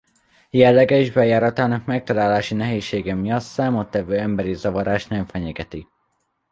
Jellege és bejáratának megtalálási nehézsége miatt számottevő emberi zavarás nem fenyegeti.